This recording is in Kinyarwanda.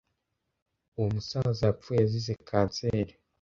Uwo musaza yapfuye azize kanseri.